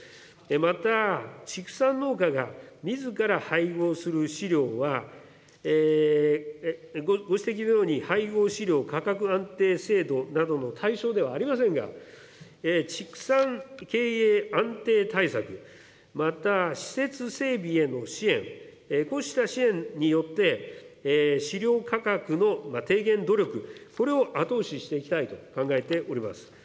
また、畜産農家がみずから配合する飼料はご指摘のように、配合飼料価格安定制度などの対象ではありませんが、畜産経営安定対策、また施設整備への支援、こうした支援によって飼料価格の低減努力、これを後押ししていきたいと考えております。